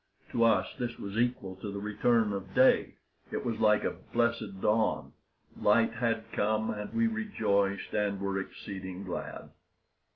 To us this was equal to the return of day; it was like a blessed dawn. Light had come, and we rejoiced and were exceeding glad.